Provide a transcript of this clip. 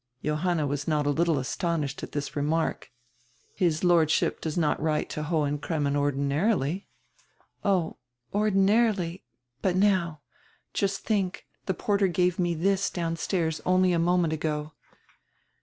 Johanna was not a little astonished at this remark. "His Lordship does not write to Hohen Cremmen ordinarily." "Oh, ordinarily? But now —Just diink, die porter gave me this downstairs only a moment ago."